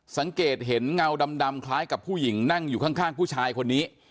สังเกตเห็นเงาดำคล้ายกับผู้หญิงนั่งอยู่ข้างผู้ชายคนนี้